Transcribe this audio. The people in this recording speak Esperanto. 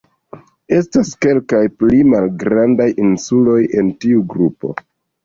Estas kelkaj pli malgrandaj insuloj en tiu grupo.